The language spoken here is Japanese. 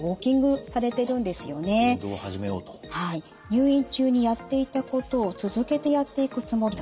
「入院中にやっていたことを続けてやっていくつもり」。